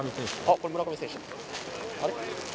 これ、村上選手？